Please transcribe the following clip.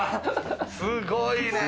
すごいね！